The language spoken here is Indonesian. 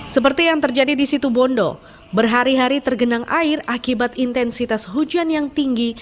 seperti yang terjadi di situ bondo berhari hari tergenang air akibat intensitas hujan yang tinggi